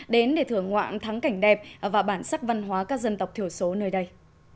đến để thưởng ngoạn thắng cảnh đẹp và bản sắc văn hóa các dân tộc thiểu số nơi đây